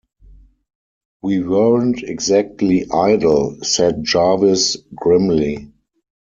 "We weren't exactly idle," said Jarvis grimly.